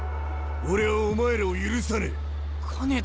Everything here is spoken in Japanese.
俺はお前らを許さねえ。